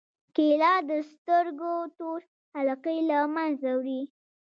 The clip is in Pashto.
کېله د سترګو تور حلقې له منځه وړي.